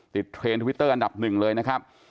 เทรนด์ทวิตเตอร์อันดับหนึ่งเลยนะครับ